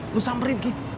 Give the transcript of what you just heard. lu samperin kini